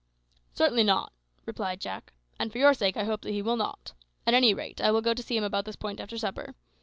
"Certainly not," replied Jack; "and for your sake I hope that he will not. At any rate I will go to see him about this point after supper.